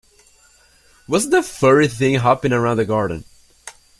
What's that furry thing hopping around the garden?